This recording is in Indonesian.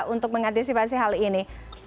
untuk mengantisipasi hal ini